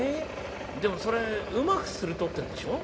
でもそれうまくするとってんでしょ。